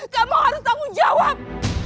kamu harus tanggung jawab